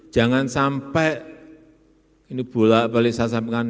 jangan sampai ini bolak balik saya sampaikan